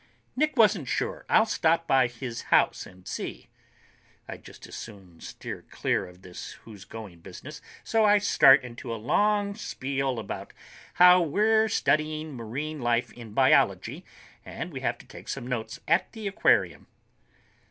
"Nick wasn't sure—I'll stop by his house and see." I'd just as soon steer clear of this "who's going" business, so I start into a long spiel about how we're studying marine life in biology, and we have to take some notes at the aquarium.